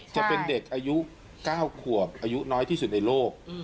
จะเป็นเด็กอายุ๙ขวบอายุน้อยที่สุดในโลก